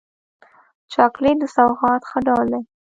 چاکلېټ د سوغات ښه ډول دی.